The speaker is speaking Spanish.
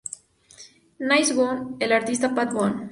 Nice Guy, del artista Pat Boone.